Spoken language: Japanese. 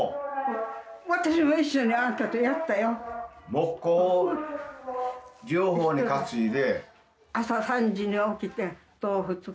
もっこを両方に担いで。